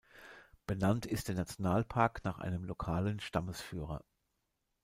Benannt ist der Nationalpark nach einem lokalen Stammesführer.